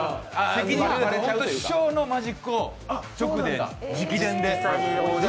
本当に師匠のマジックを直で、直伝で。